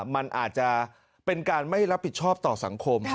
มันอาจจะเป็นการไม่รับผิดชอบต่อสังคม